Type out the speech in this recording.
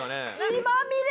血まみれ！